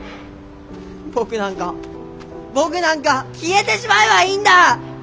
僕なんか僕なんか消えてしまえばいいんだ！